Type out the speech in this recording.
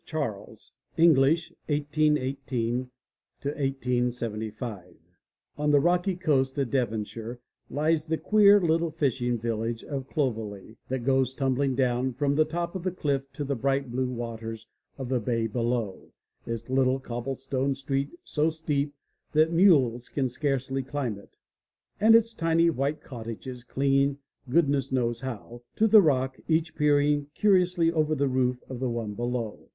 125 MY BOOK HOUSE KINGSLEY, CHARLES (English, 1818 1875) N the rocky coast of Devonshire lies the queer little fishing village of Clovelly that goes tumbling down from the top of the cliff to the bright blue waters of the bay below, its little cobble stone street so steep that mules can scarcely climb it, and its tiny white cottages clinging, goodness knows how! to the rock, each peering curiously over the roof of the one below.